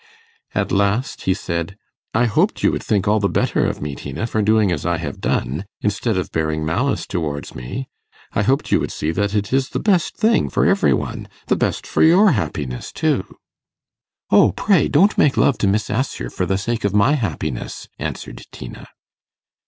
At last he said, 'I hoped you would think all the better of me, Tina, for doing as I have done, instead of bearing malice towards me. I hoped you would see that it is the best thing for every one the best for your happiness too.' 'O pray don't make love to Miss Assher for the sake of my happiness,' answered Tina.